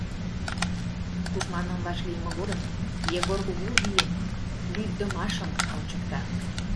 Тушманым вашлийме годым Егор кугу вийым, лӱддымашым ончыкта.